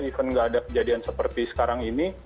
even nggak ada kejadian seperti sekarang ini